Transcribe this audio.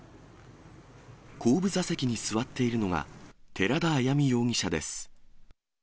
後部座席に座っているのが、寺田文美容疑者です。